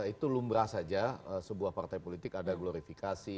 itu lumrah saja sebuah partai politik ada glorifikasi